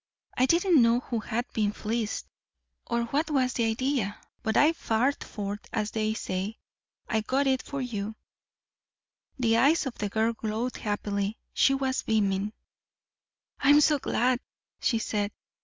I didn't know who had been fleeced, or what the idea was. But I fared forth, as they say. I got it for you " The eyes of the girl glowed happily. She was beaming. "I'm so glad," she said.